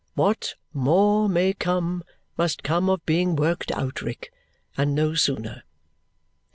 What more may come must come of being worked out, Rick, and no sooner."